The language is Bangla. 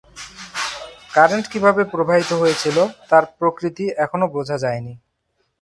কারেন্ট কিভাবে প্রবাহিত হয়েছিল তার প্রকৃতি এখনও বোঝা যায়নি।